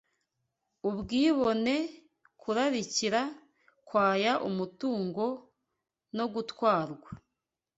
Ubwibone, kurarikira, kwaya umutungo no gutwarwa